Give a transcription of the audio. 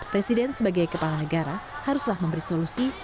presiden sebagai kepala negara haruslah memberi solusi